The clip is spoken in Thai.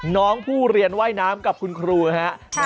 น้องผู้เรียนว่ายน้ำกับคุณครูครับ